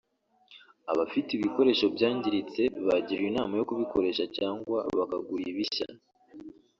Abafite ibikoresho byangiritse bagiriwe inama yo kubikoresha cyangwa bakagura ibishya